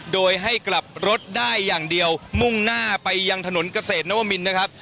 โดยให้กลับรถได้อย่างเดียวมุ่งหน้าไปยังถนนเกษตรนวมินนะครับ